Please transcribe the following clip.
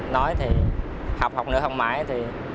nói thì học học nữa không mãi